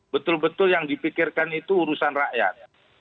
betul betul yang dipikirkan itu urusan rakyat